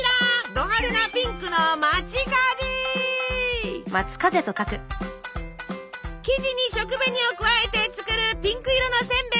ド派手なピンクの生地に食紅を加えて作るピンク色のせんべいなの。